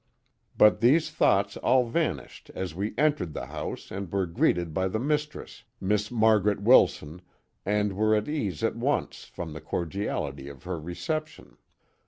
But these thoughts all vanished as we entered the house and were greeted by the mistress, Miss Margaret Wilson, and were at ease at once, from the cordiality of her reception.